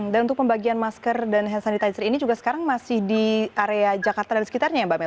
dan untuk pembagian masker dan hand sanitizer ini juga sekarang masih di area jakarta dan sekitarnya ya mbak mel